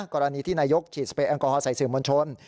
กรณีที่นายกฉีดสเปรยแอลกอฮอลใส่สื่อมวลชน